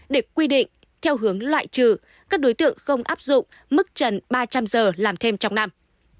để quy định theo hướng loại trừ các đối tượng không áp dụng mức trần ba trăm linh giờ làm thêm trong năm